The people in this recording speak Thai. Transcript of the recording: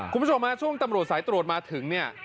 คุณผู้ชมช่วงตำรวจสายตรวจมาถึง